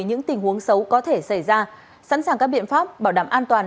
những tình huống xấu có thể xảy ra sẵn sàng các biện pháp bảo đảm an toàn